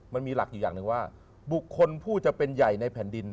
มันมีหลักอยู่อย่างหนึ่งว่าบุคคลผู้จะเป็นใหญ่ในแผ่นดิน